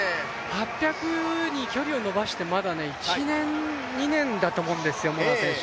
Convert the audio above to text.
８００に距離を延ばしてまだ１年、２年だと思うんですよ、モラア選手。